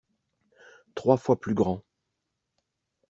Trois fois plus grand.